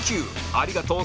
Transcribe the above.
ありがとう！